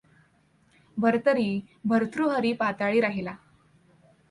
भर्तरी भर्तृहरि पाताळी राहिला.